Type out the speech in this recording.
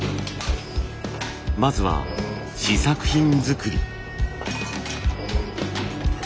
まずは試作品作り。